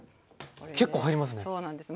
結構入りますね。